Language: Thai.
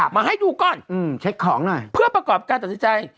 มาให้ดูก่อนเพื่อประกอบการตัดสินใจ